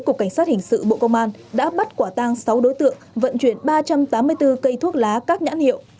cục cảnh sát hình sự bộ công an đã bắt quả tang sáu đối tượng vận chuyển ba trăm tám mươi bốn cây thuốc lá các nhãn hiệu